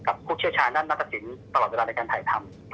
ท่านก็มาให้คำแนะนำปรึกษาว่ามันทำได้ทำไมถ้าอย่างนี้ไม่ควร